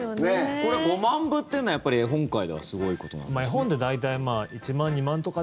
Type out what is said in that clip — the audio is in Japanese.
これ、５万部というのはやっぱり絵本界ではすごいことなんですか？